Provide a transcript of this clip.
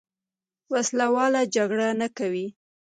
وسله واله جګړه نه کوي.